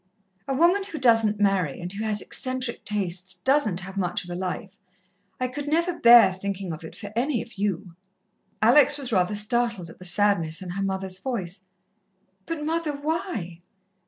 "A woman who doesn't marry and who has eccentric tastes doesn't have much of a life. I could never bear thinking of it for any of you." Alex was rather startled at the sadness in her mother's voice. "But, mother, why?